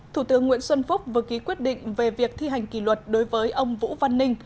thủ tướng nguyễn xuân phúc vừa ký quyết định về việc thi hành kỷ luật đối với ông vũ văn ninh